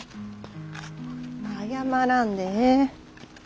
謝らんでええ。